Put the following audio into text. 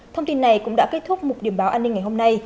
thông tin này cũng đã kết thúc một điểm báo an ninh ngày hôm nay